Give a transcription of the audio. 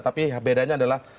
tapi bedanya adalah